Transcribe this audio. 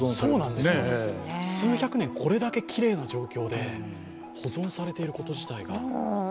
数百年、これだけきれいな状況で保存されていること自体が。